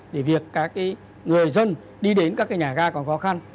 để việc các người dân đi đến các nhà ga còn khó khăn